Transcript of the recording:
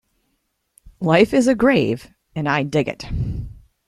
Life Is a Grave and I Dig It!